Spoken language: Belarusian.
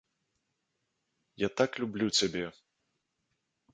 Я так люблю цябе!